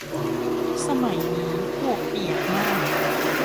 สมัยนี้ปวกเปียกมาก